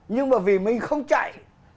nhưng mà vì mình không chạy